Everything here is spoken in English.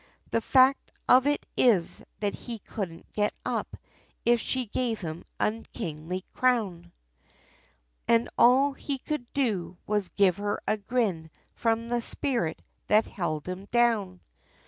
The fact of it is, that he couldn't get up, If she gave him a kingly crown, And all he could do, was give her a grin, From the spirit, that held him down!